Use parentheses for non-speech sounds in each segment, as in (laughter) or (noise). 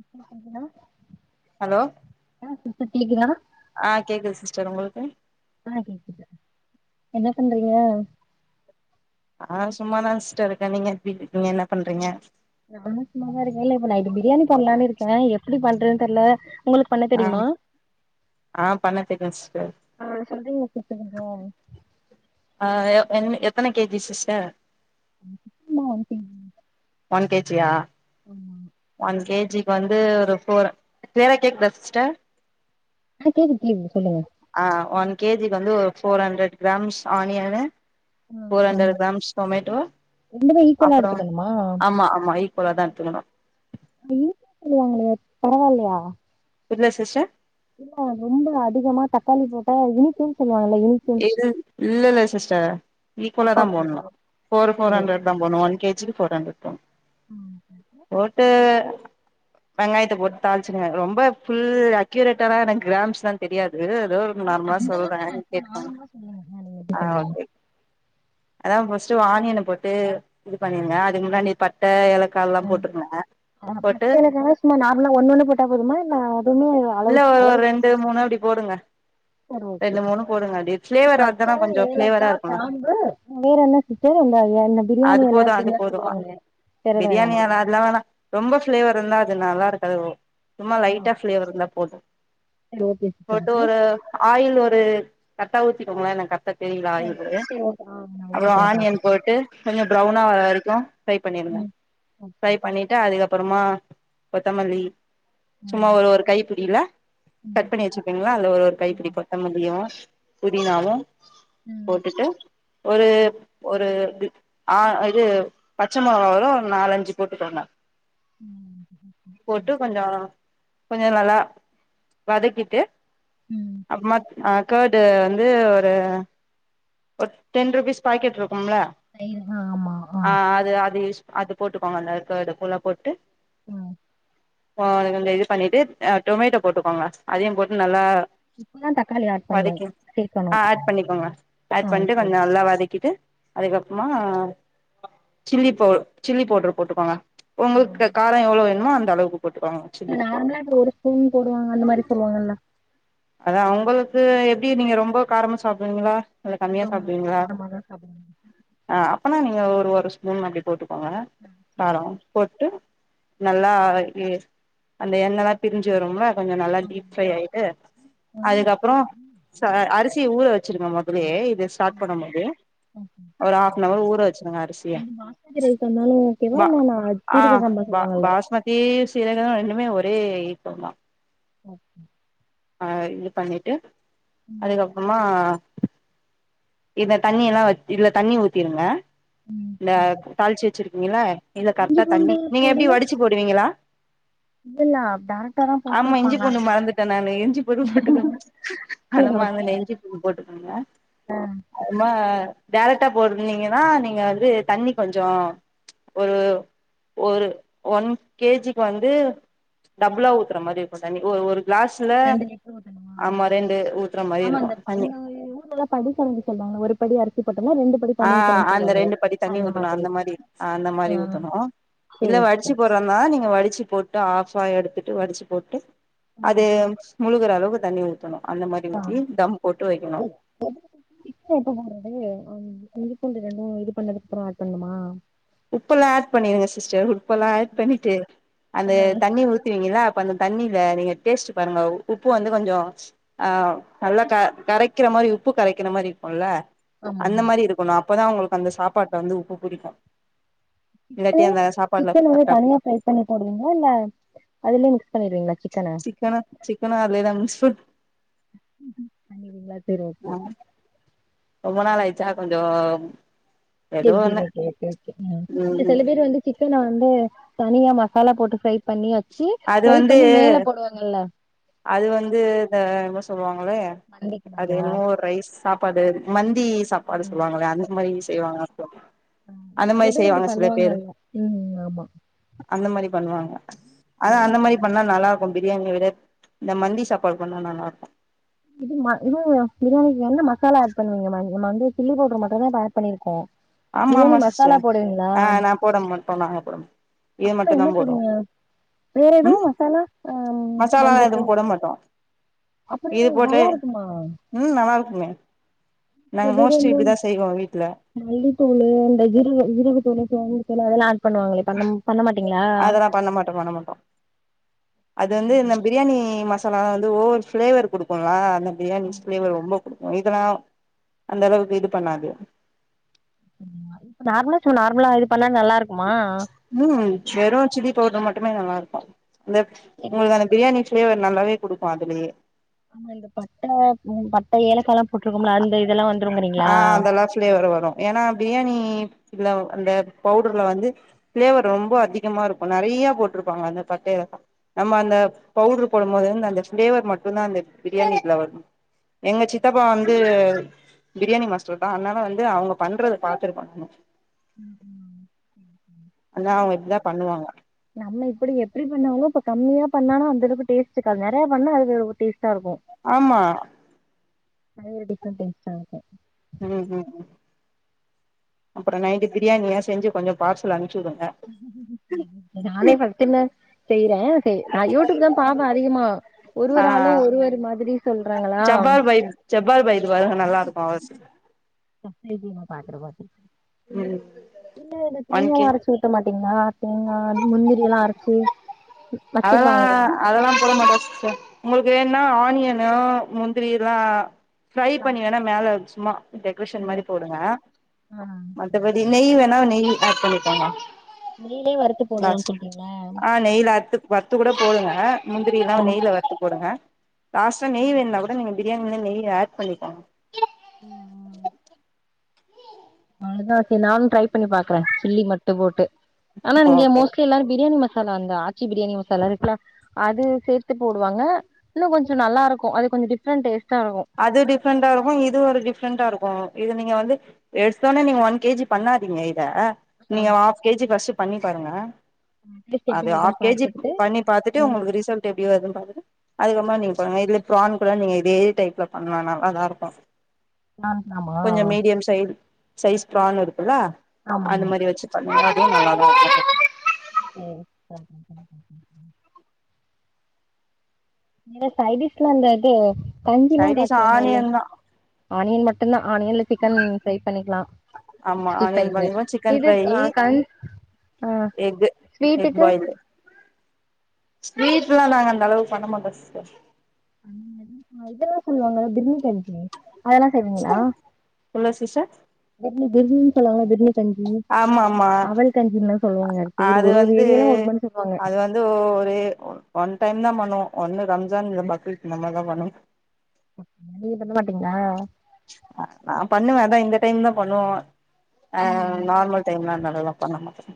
இப்ப கேக்குதா ஹலோ ஆ இப்ப கேக்குதா ஆ கேக்குது சிஸ்டர் உங்களுக்கு ஆ கேக்குது என்ன பண்றீங்க ஆ சும்மாதான் சிஸ்டர் இருக்கேன் நீங்க எப்டி இருக்கீங்க என்ன பண்றீங்க நானும் சும்மாதான் இருக்கன் இல்ல இப்ப நைட்டு பிரியாணி பண்ணலானு இருக்கேன் எப்டி பண்றதுன்னு தெர்ல உங்களுக்கு பண்ண ஆ தெரியுமா ஆ பண்ண தெரியும் சிஸ்டர் ஆ சொல்றீங்களா சிஸ்டர் கொஞ்சோ ஆ என் வி எத்தன K G sister one fifty இல்ல one K G one K G yeah ஆமா ஒன் கே ஜி க்கு வந்து ஒரு ஃபோர் கிளீயரா கேக்குதா சிஸ்டர் ஆ கேக்குது கேக்குது சொல்லுங்க ஆ ஒன் கே ஜி க்கு வந்து ஒரு ஃபோர் ஹண்ட்ரட் கிராம்ஸ் ஆனியனு ஆ ஃபோர் பாருங்க ஹண்டரட் கிராம்ஸ் டொமேட்டோ ரெண்டுமே ஈக்குவலா அப்பறோ எடுத்துக்கணுமா ஆமா ஆமா இ போலதான் எடுத்துக்கணும் இனிக்குன்னு சொல்லுவாங்களே பரவாயில்லயா என்ன சிஸ்டர் இல்ல ரொம்ப அதிகமா தக்காளி போட்ட இனிக்கும் சொல்லுவாங்களா இனிக்கு எது இல்ல இல்ல சிஸ்டர் ஈக்குவலா கரெக்டா தான் இருக்குமா போட்னும் ஃபோர் ஃபோர் சரி. ஹண்ட்ரட் தான் போனும் ஒன் கே ஜி க்கு ஃபோர் ஹண்ட்ரட் போனு ஆ. போ ட்டு வெங்காயத்த போட்டு தாளிச்சுடுங்க ரொம்ப ஃபுல் அக்யூரேட்டல்லா எனக்கு கிராம்ஸ்ல்லா தெரியாது ஏதோ இல்ல நார்மலா அந்த அளவுக்கு சொல்ற வேணா சும்மா கேட்டுக்கோங்க நார்மலா சொல்லுங்க நீங்க எப்டி ஆ பண்ணுவீங்கன்னு ஓகே அதா ஃபஸ்ட்டு ஆனியன போட்டு இது பண்ணியிருங்க அதுக்கு முன்னாடி பட்ட ஏல ஆ பட்ட ஏலக்காலா சும்மா நார்மலா ஒண்ணு ஒண்ணு போட்டா போதுமா இல்ல அதுவுமே அளவு இல்ல ஒரு ரெண்டு மூணு அப்டி போடுங்க சரி ஓகே ரெண்டு மூணு போடுங்க அப்டி ஃபிளேவர் பட்ட அதுதானா கொஞ்சோ ஃபிளேவரா ஏலக்கா இருக்குல்ல கிராம்பு வேற என்ன இப்பேவு வந்த அதா அந்த பிரியாணி அது எல போது அது அப்டின்லா போது சொல்லுவாங்களே வேற எது பிரியாணி வேணாமா எல அதுலா வேணா ரொம்ப ஃப்ளேவர் இருந்தா அது நல்லா இருக்காது சும்மா ஆ லைட்டா ஃப்ளேவர் இருந்தா போது சரி ஓகே சிஸ்டர் போட்டு அப்போ ஒரு ஆயில் ஒரு கரட்டா ஊத்திக்கோங்களே எனக் கரட்டா தெரில ஆ ஆயிலு சரி ஓகே ஆ அப்றோ ஊத்திக்கிறே ஆனியன் பாத்துட்டு போட்டு கொஞ்சோ ப்ரௌனா வர வரைக்கோ ஃப்ரை ம் பண்ணிருங்க ம் ஃப்ரை ஓகே பண்ணிட்டு அதுக்கப்புறமா கொத்தமல்லி ஆ சும்மா ஒரு ஒரு கை பிடில கட் ம் பண்ணி வச்சிருப்பீங்ல்ல அதுல ஒரு ஒரு கைப்பிடி ஆமா கொத்த மல்லியு புதினாவு ம் போட்டுட்டு ஒரு ஒரு இது ஆ இது பச்ச மொளகா வெறும் நாலஞ்சு போட்டுக்கோங்க போட்டு ம் கொஞ்சோ கொஞ்ச நல்லா வதக்கிட்டு ம் அப்பமா ஆ கர்டு வந்து ஒரு ஒரு டென் ருபீஸ் பாக்கெட் இருக்கும்ல தயிர் ஆ ஆமா ஆ அது அது யூஸ் அது போட்டுக்கோங்க அந்த கர்டு ஃபுல்லா போட்டு ம் ஆ கொஞ்சோ இது பண்ணிட்டு் டொமேட்டோ போட்டுக்கோங்க அதையு போட்டு நல்லா இப்பதா தக்காளி ஆட் பண்ணு வதக்கி சேக்கணு ஆ ஆட் பண்ணிக்கோங்க ஆ ஆட் பண்ணிட்டு வெ சரி கொஞ்ச நல்லா வதக்கிட்டு அதுக்கப்புறமா சில்லி பவு சில்லி பவுட்ரு போட்டுக்கோங்க ம் உங்குளுக்கு காரம் எவ்ளோ வேணுமோ அந்த அளவுக்கு போட்டுக்காங்க நார்மலா இப்ப ஒரு ஸ்பூன் போடுவாங்க அந்த மாரி சொல்வாங்கல்ல அதா அவங்களுக்கு எப்டி நீங்க ரொம்ப காரமா சாப்டுவீங்களா இல்ல கம்மியா ஆமா சாப்டுவீங்ளா காரமாதா சாப்டுவாங்க ஆ அப்போனா நீங்க ஒரு ஒரு ஸ்பூன் அப்டி போட்டுக்கோங்க ஆ சேரி காரம் போட் டு நல்லா அந்த எண்ணல்லா பிரிஞ்சு வரும்லா கொஞ்சோ நல்லா ஆமா டீப் ஃப்ரை ஆய்ட்டு ம் அதுக்கப்புறோ ச அரிசி ஊற வச்சிருங்க மொதல்லே இது ஸ்டாட் ம், பண்ணும் மோது ம் எ பாஸ்மதி ரைஸ் சொன்னாலு ஓகேவா பா இல்ல நா தீரக்கக்காம சொல்லுவாங்கல்ல பெ சீரகோ ரெண்டுமே ஒரே ஈக்வல் தா ஓகே ஆ இது பண்ணிட்டு ம் அதுக்கப்புறமா இத தண்ணில்லா வத் இதுல தண்ணி ஊத்திருங்க ம் இந்த சேரி தாள்ச்சு வச்சிருக்கீங்களா இதுல இஞ்சி கரெட்டா பூண்டு தண்ணி நீங்க போடல எப்டி வடிச்சு போடுவீங்களா இல்லல்ல டேரக்ட்டா தா போட்ருப்பாங்க இதுல இஞ்சி பூண்டு போட்டுக்கோங்க சேரி அனமா ஓகே அங்க இஞ்சி பூண் போட்டுக்கோங்க அமா டேரக்டா போட்ந்தீங்கன்னா நீங்க வந்து தண்ணி கொஞ்சோ ஒரு ஒரு ஒன் கேஜிக்கு வந்து டபுளா ஊத்துற மாரி இருக்கோ தண்ணி ஒரு ஒரு கிளாஸ் ரெண்டு லிட்ரு ஊத்தணமா ஊத்துற மாரி ஆமா இந்த இருக்கு தண்ணி படி கலந்து சொல்வாங்கல ஒரு படி அரிசி போட்டனா ரெண்டு படி ஆ தண்ணி ஊத்தணும்னு அந்த சொல்லுவாங்களே ரெண்டு படி தண்ணி ஊத்தணோ மாதிரி அந்த மாரி அந்த ஆ மாரி ஊத்தணோ இல்ல சேரி வடிச்சு சிஸ்டர் போ ட்டன்னா நீங்க வடிச்சு போட்டு ஆஃப்பா எடுத்துட்டு வடிச்சு போட்டு ம் அது முழுகுற அளவுக்கு தண்ணி ஊத்தணு அந்த மாரி ஊத்தி தம் போட்டு வக்கணு (unintelligible) இஞ்சி பூண்டு ரெண்டு இது பண்ணதுகப்றோ ஆட் பண்ணுமா உப்பெல்லா ஆட் பண்ணிருங்க சிஸ்டர் உப்பெல்லா ஆட் பண்ணிட்டு அந்த ம், தண்ணி ஊத் ஊத்திவிங்களா அப்ப அந்த தண்ணில நீங்க டேஸ்ட் பாருங்க உப்பு வந்து கொஞ்சோ ஆ நல்லா க கரைக்கிற மாரி உப்பு கரைக்கிற மாரி இருக்குல்ல ஆமா அந்த மாரி இருக்கணு அப்பதா உங்களுக்கு அந்த சாப்பாட்ல வந்து உப்பு புடிக்கும் சிஸ்டர் சிக்கன் வந்து கரெக்டா தனியா புடிக்கு ஃப்ரை பண்ணி போடுவீங்களா இல்ல அதுலயே மிக்ஸ் பண்ணிருவீங்களா சிக்கன சிக்கனா சிக்கனா அதுலேத மிக்ஸ் பண் பண்ணிருவீங்களா சரி ஓகே ஆ ரொம்ப நாள் ஆயிருச்சா கொஞ்சோ ஏதோ சேரி சேரி ஒண்ணு ஓகே ஓகே ஓகே ம் இல்ல சில பேர் வந்து சிக்கன வந்து தனியா மசாலா போட்டு ஃப்ரை பண்ணியாச்சு அது ஃப்ரை வந்து பண்ணி மேல போடுவாங்கல்ல அது வந்து த என்னவோ சொல்லுவாங்களே மண்டிக்கு அது மாரியா என்னமோ ரைஸ் சாப்பாடு மந்தி சாப்பாடு சொல்லுவாங்களே அந்த மாரி செய்வாங்க அந்த சில மாரி பேர் இப்டி செய்வாங்க சில பேரு பண்ணுவாங்கல்ல ம் ஆமா அந்த மாரி பண்ணுவாங்க ஆ, அதா அந்த சரி. மாரி பண்ணா நல்லா இருக்கு பிரியாணிய விட இந்த மந்தி சாப்பாடு பண்ணா நல்லாருக்கும் இது இதுவு பிரியாணிக்கு என்ன மசாலா ஆட் பண்ணுவீங்க மேம் நம்ம வந்து சில்லிபவுடர் மட்டுதா இப்ப ஆட் பண்ணிருக்கோ ஆமா பிரியாணி ஆமா மசாலா சிஸ்டர் போடுவீங்களா ஆ நா போட மாட்டோ நாங்க போட மாட்டோ இது அப்றோ மட்டுந்தா என்ன போடுவோ போடுவீங்க வேற ஏதோ மசாலா ஆ மசாலா எதும் மஞ்சத்தூள் போட மாட்டோ அப்புறோ இது போட்டு நல்லா இருக்குமா ம் நல்லா இருக்குமே சில நாங்க பேரு மோஸ்ட்லி இந்த இப்டி தா செய்வோ வீட்ல மல்லித்தூளு இந்த ஜீரக ஜீரக தூளு சேம்புதூளு அதெல்லா ஆட் பண்ணுவாங்களே பண்ண பண்ண மாட்டீங்களா அதெல்லா பண்ண மாட்டோ பண்ண மாட்டோ அது வந்து இந்த பிரியாணி மசாலா வந்து ஓவர் பிளேவர் குடுக்குல்ல அந்த பிரியாணி ப்லேவர் ரொம்ப குடுக்கு இதெல்லா அந்த அளவுக்கு இது பண்ணாது ம் நார்மலா சும் நார்மலா இது பண்ண நல்லா இருக்குமா ம் வெறும் சில்லி பவுடர் மட்டுமே நல்லா இருக்கும் அந்த உங்களுக்கு அந்த பிரியாணி ப்ளேவர் நல்லாவே குடுக்கும் அதுலயே ஆமா இந்த பட்ட உ பட்ட ஏலக்கால்லா போட்ருக்கும்ல அந்த இதெல்லா வந்துருங்கிறீங்களா நல்லா ஃப்ளேவர் வரு ஏன்னா பிரியாணில்ல அந்த பவுடர்ல வந்து ஃப்ளேவர் ரொம்ப அதிகமா இருக்கு நெறையா போட்டிருப்பாங்க அந்த பட்டேல நம்ம அந்த பவுட்ரு போடுபோது வந்து அந்த பிளேவர் மட்டும்தா அந்த பிரியாணிக்குல்ல வரு எங்க சித்தப் ப்பா வந்து பிரியாணி மாஸ்டர் தா அதனால வந்து அவங்க பண்றத பாத்துருக்கோ ம் ஆனா ம் அவங்க இப்டிதா பண்ணுவாங்க நம்ம இப்டி எப்டி பண்ணாலு இப்ப கம்மியா பண்ணாலு அந்தளவு டேஸ்ட் இருக்காது நெறைய பண்ணா அது டேஸ்டா இருக்கும் ஆமா டிக்கும் டேஸ்டாருக்கும் ம் ம் ம் அப்புறோ நைட்டு பிரியாணியா செஞ்சு கொஞ்சோ பார்சல் அனுப்பிவுடுங்க நானே ஃபர்ஸ்ட் டைமா செய்றே சரி நா யூடியூப் தா பாப்பே அதிகமா ஆ ஒருவொரு ஆளு ஒருவொரு மாதிரி சொல்றாங்களா செவ்வா (unintelligible) நல்லா இருக்கு ஹவுஸு (unintelligible) ம் இல்ல இத ஒன் தேங்கால கே அரச்சி சேக்க மாட்டீங்களா தேங்கா முந்திரி எல்லா அரச்சி அதல்லா அதல்லா போட மாட்ட சிஸ்டர் உங்களுக்கு வேணுனா ஆனியனோ முந்திரி எல்லா ஃப்ரை பண்ணி வேணா மேல வெச்சும்மா டெக்ரேஷன் மாரி போடுங்க ஆ மத்தபடி நெய் வேணா நெய் ஆட் பண்ணிக்கோங்க நெய்லியே வறுத்து போடலான் லாஸ்ட் சொல்றீங்ளா ஆ நெய்ல அருத்து வருத்து கூட போடுங்க முந்திரி எல்லா நெய்ல வருத்து போடுங்க லாஸ்டா நெய் வேன்னாகூட அதா நீங்க பிரியாணில நெய் ஆட் பண்ணிகோங்க ம் அவ்ளதா சரி நானு ட்ரை பண்ணி பாக்குறே சில்லி மட்டு போட்டு ஆனா நீங்க ஓகே மோஸ்ட்லி எல்லாரு பிரியாணி மசாலா அந்த ஆச்சி பிரியாணி மசாலா இருக்குல அது சேர்த்து போடுவாங்க இன்னு கொஞ்சோ நல்லா இருக்கு அது கொஞ்சோ டிஃப்ரெண்ட் டேஸ்ட்டா இருக்கு அது டிஃப்ரெண்டா இருக்கு இது ஒரு டிஃப்ரெண்டா இருக்கு இது நீங்க வந்து எடுத்தொட்னே நீங்க ஒன் கே ஜி பண்ணாதீங்க இத நீங்க ஆமா ஆஃப் கே ஜி ஃபர்ஸ்ட்டு பண்ணி பாருங்க டேஸ்ட் எப்டி அது வருதுன்னு ஆஃப் கே ஜி பாத்துக்கிட்டு பண்ணி பாத்துட்டு ம் உங்ளுக்கு ரிசல்ட் டு எப்டி வருதுன் பாத்துட்டு அதுக்கப்புறமா நீங்க பண்ணுங்க இதுல பிரான் கூட நீங்க இதே டைப் ல பண்லா நல்லாதா இருக்கு ஆமா கொஞ்சோ மீடியம் சைட் சைஸ் ப்ரான் இருக்குல்ல ஆமா அந்த மாரி வெச்சு பண்ணுங்க அதுவு நல்லாதா இருக்கு சேரி பண்ற (inaudible) நீங்க சைடிஷ்லா இல்ல இந்த இது கஞ்சில்லா சைடிஷ் காய்ச்சுவாங்கல்ல ஆனியன் தா ஆனியன் மட் கன்ல ஆனியன்ல சிக்கன் ஃப்ரை பண்ணிக்லா ஆமா சிக்ஸ்டி ஆனியன் ஃபைவ்வு பண்ணிக்குவோ சிக்கன் இது க ஃப்ரையி கஞ் ஆ எக்கு எக் ஸ்வீட்டுக்கு பாயிலு ஸ்வீட்லா நாங்க அந்த அளவுக்கு பண்ண மாட்டோ சிஸ்டர் ஆ ஏதோ சொல்லுவாங்க பிர்ணி கஞ்சி அதல்லா செய்வீங்ளா இல்ல சிஸ்டர் பிர்ணி பிர்ணின் சொல்லாங்கல்ல பிர்ணி கஞ்சி ஆமா ஆமா அவல் கஞ்சின்லா சொல்லுவாங்க ஒரு ஒரு ஏரியால ஒரு மாரி சொல்லுவாங்க ஓ ஒரு ஒன் டைம் தா பண்ணுவோ ஒன்னு ரம்ஜான் இல்ல பக்ரீத் இந்த மாரி தா பண்ணுவோ நீங்க பண்ண மாட்டீங்ளா நா பண்ணுவே அதா இந்த டைம் தா பண்ணுவோ ஆ ம் நார்மல் டைம்ல இந்த அளவுக்குலா பண்ணமாட்டோம்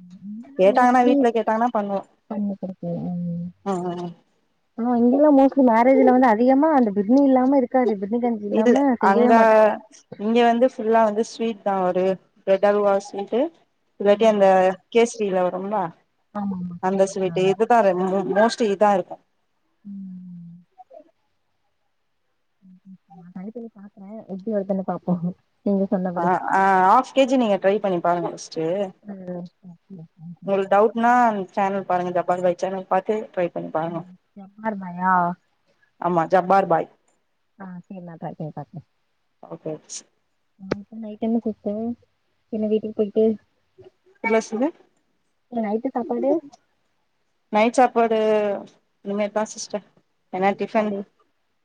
இங்கெல்லா கேட்டாங்கன்னா மோஸ்ட்லி வீட்ல கேட்டாங்கன்னா பண்ணுவோ பண்ணி ம் ஆனா இங்கெல்லா மோஸ்ட்லி மேரேஜ்ல வந்து அதிகமா அந்த பிர்ணி இல்லாம இருக்காது பிர்ணி கஞ் இதுல அங்க இங்க வந்து ஃபுல்லா வந்து ஸ்வீட் தா ஒரு ப்ரெட் அல்வா ஸ்வீட்டு இல்லாட்டி அந்த ஆமா கேசரில வரும்ல ஆமா அந்த கேக்குது ஆ ஸ்வீட்டு இதுதா ரெண்டு மோஸ்ட்லி இதா இருக்கு ம் நா ட்ரை பண்ணி பாக்குறே எப்டி வருது ன்னு பாப்போ நீங்க ஆ சொன்னபடி ஆ ஹாஃப் கே ஜி நீங்க ட்ரை பண்ணி பாருங்க ஃபர்ஸ் ட்டு ம் உங்களுக் டவுட்னா சேனல் பாருங்க ஜப்பார் பாய் சேனல் பாத்து ட்ரை பண்ணி பாருங்க ம் ஜப்பார் பாயா ஆமா ஜப்பார் பாய் ஆ சேரி நா கால் பண்ணி பக்குறே ஓகே நா இப்ப நைட் டைம் (unintelligible) டைம் சேரினு வீட்டுக்கு போயிட்டு மெதுவா சொல்லு நைட்டு சாப்பாடு நைட் சாப்பாடு இனிமேதா சிஸ்டர் என்ன டிஃபன் கடை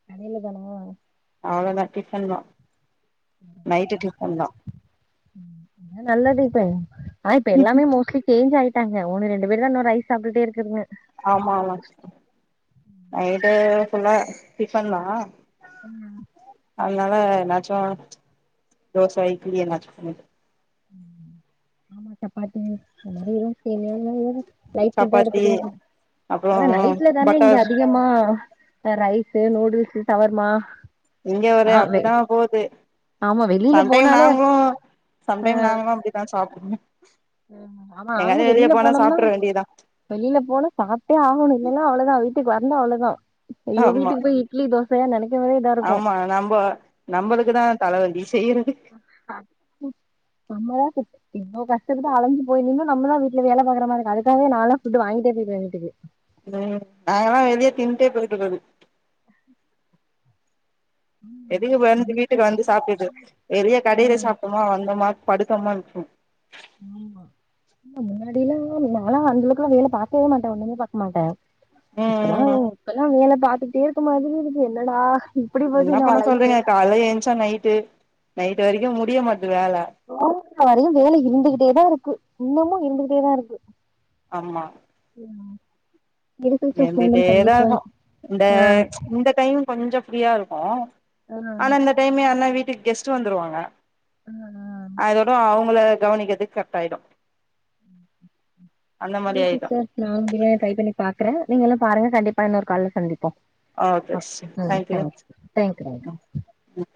கடையில தானா அவ்ளோதா டிஃபன்தா நைட்டு டிஃபன்தா ம், அதா நல்லது இப்போ ஆனா இப்ப எல்லாமே மோஸ்ட்லி சேஞ்ச் ஆயிட்டாங்க, ஒன்னு ரெண்டு பேர்தா இன்னு ரைஸ் சாப்ட்டுட்டே இருக்குதுங்க ஆமாமா சிஸ்டர், நைட்டு ஃபுல்லா டிஃபன்தா ம் அதனால என்னாச்சு தோச இட்லி என்னாச்சு பண்ணிப்ப ஆமா சப்பாத்தி இந்த மாரி எது சேமியாவு இந்த மாரி எதும் லைட் ஃபுட்டா சப்பாத்தி எடுத்துக்குவாங்க, அப்புறோ ஆனா நைட்லதானே இங்க பட்டர் அதிகமா இந்த ரைஸு, நூடுல்ஸ், சவர்மா இங்க ஒரே ஆ வெ அப்டிதா போவுது ஆமா வெளில சம்டைம் போனாலே நாங்களு சம்டைம் நாங்களு அப்டி தா சாப்டுவோ ம் ஆமா எங்காது நாங்களு வெளில போனா போனோம்னா சாப்ட்ற வேண்டியதா வெளில போனா சாப்ட்டே ஆகணு இல்லன்னா அவ்ளோதா வீட்டுக்கு வந்தா அவ்ளோதா ஐயோ ஆமா வீட்டுக்கு போயி இட்லி தோசையா நெனைக்குபோதே இதா இருக்கு ஆ நம்ப நம்பளுக்குதா தலவலி செய்றது நம்மதா தி இவ்ளோ கஷ்டபட்டு அலஞ்சு போய் நின்னு நம்மதா வீட்ல வேல பாக்ற மாரி இருக்கு அதுக்காவே நான்ல்லா ஃபுட்டு வாங்கிட்டே போயிடுவே வீட்டுக்கு ம், நாங்கெல்லா வெளியே திண்ட்டே போயிட்டு இருக்றது எதுக்கு வந்து வீட்டுக்கு வந்து சாப்ட்டுட்டு வெளிய கடையிலயே ம் சாப்பிட்டோமா வந்தோமா படுத்தோமா இருக்கனு ஆமா முன்னாடில்லா நான்லா அந்தளவுக்கெல்லா வேல பாக்கவே மாட்டே ஒன்னுமே பாக்க மாட்டே ம் இப்பல்லா ம் ம் இப்பல்லா வேல பாத்துட்டே இருக்க மாதிரி இருக்கு என்னடா இப்டி போச்சு என்ன நம்ம பண்ண லைஃபு. சொல்றீங்க கால்ல எந்திச்சா நைட்டு நைட்டு வரைக்கு முடிய மாட்து வேல தூங்குற வரையு வேலை இருந்துகிட்டேதா இருக்கு இன்னமு இருந்துகிட்டேதா இருக்கு ஆமா ம் இருந்துகிட்டேதா இருக்கு இந்த ஆ இந்த டைம் கொஞ்சோ ஃப்ரீயா இருக்கு ஆ ஆனா இந்த டைமே யாருனா வீட்டுக்கு கெஸ்ட் வந்துருவாங்க ஆ ஆ அதோட அவுங்கள கவனிக்றதுக்கு கரெக்ட் ஆயிடு அந்த ஒகே மாரி ஆயிடு சிஸ்டர் நா பிரியாணி ட்ரை பண்ணி பாக்குறே நீங்க எல்லா பாருங்க கண்டிப்பா இன்னொரு கால்ல சந்திப்போ ஓகே சிஸ்டர், ம் தேங்க்யூ, தேங்க்ஸ் தேங்க்யூ. ம் ம்.